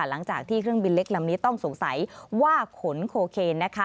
หลังจากที่เครื่องบินเล็กลำนี้ต้องสงสัยว่าขนโคเคนนะคะ